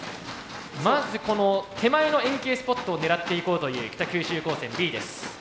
まずこの手前の円形スポットを狙っていこうという北九州高専Ｂです。